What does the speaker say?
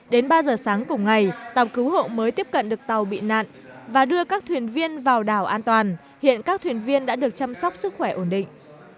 đến ba giờ sáng cùng ngày tàu cứu hộ mới tiếp cận được tàu bị nạn và đưa các thuyền viên vào đảo an toàn hiện các thuyền viên đã được chăm sóc sức khỏe ổn định